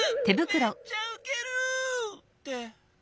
めっちゃウケる！って。